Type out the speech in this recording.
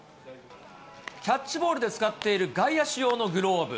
キャッチボールで使っている外野手用のグローブ。